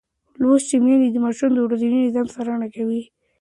لوستې میندې د ماشومانو د ورځني نظم څارنه کوي.